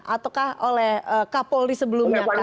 ataukah oleh kapolri sebelumnya